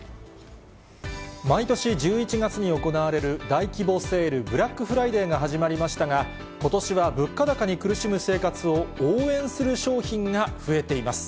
毎年１１月に行われる大規模セール、ブラックフライデーが始まりましたが、ことしは物価高に苦しむ生活を、応援する商品が増えています。